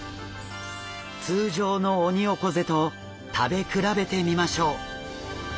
通常のオニオコゼと食べ比べてみましょう。